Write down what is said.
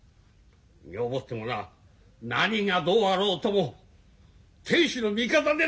女房ってものは何がどうあろうとも亭主の味方でなきゃならねえんです。